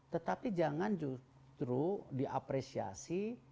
tetapi jangan justru diapresiasi